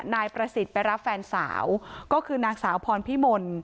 นายประสิทธิ์ไปรับแฟนสาวก็คือนางสาวพรพิมล